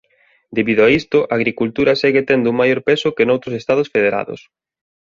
Debido a isto a agricultura segue tendo un maior peso que noutros Estados Federados.